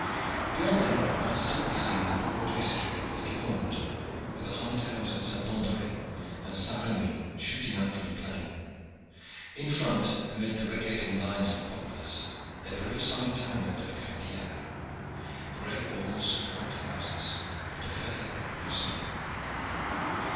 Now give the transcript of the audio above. Behind them might still be seen the broad estuary of the Gironde, with the high towers of Saint Andre and Saint Remi shooting up from the plain. In front, amid radiating lines of poplars, lay the riverside townlet of Cardillac gray walls, white houses, and a feather of blue smoke.